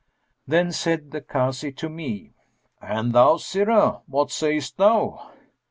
Then said the Kazi to me, 'And thou, sirrah, what sayest thou?'